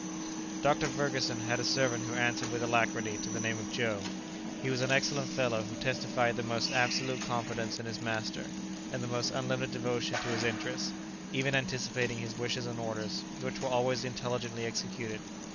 Dr. Ferguson had a servant who answered with alacrity to the name of Joe. He was an excellent fellow, who testified the most absolute confidence in his master, and the most unlimited devotion to his interests, even anticipating his wishes and orders, which were always intelligently executed.